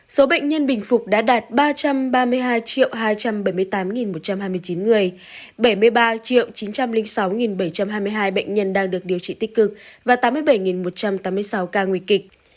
số bệnh nhân bình phục đã đạt ba trăm ba mươi hai hai trăm bảy mươi tám một trăm hai mươi chín người bảy mươi ba chín trăm linh sáu bảy trăm hai mươi hai bệnh nhân đang được điều trị tích cực và tám mươi bảy một trăm tám mươi sáu ca nguy kịch